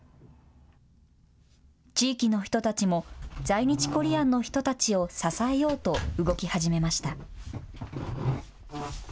地域の人たちも在日コリアンの人たちを支えようと動き始めました。